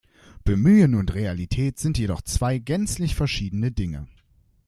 Bemühen und Realität sind jedoch zwei gänzlich verschiedene Dinge.